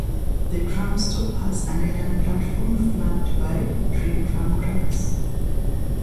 The tram stop has an island platform, flanked by twin tram tracks.